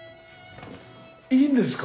いいんですか？